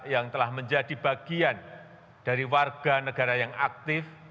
yang telah menjadi bagian dari warga negara yang aktif